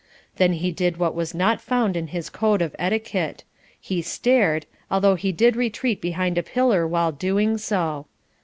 Then he did what was not found in his code of etiquette he stared, although he did retreat behind a pillar while doing so.